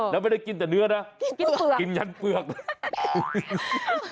เราไม่ได้กินแต่เนื้อนะเอาเบือก